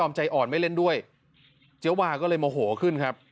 ใจอ่อนไม่เล่นด้วยเจ๊วาก็เลยโมโหขึ้นครับ